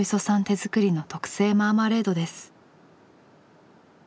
手作りの特製マーマレードです。